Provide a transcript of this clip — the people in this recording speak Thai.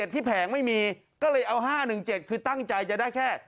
ที่แผงไม่มีก็เลยเอา๕๑๗คือตั้งใจจะได้แค่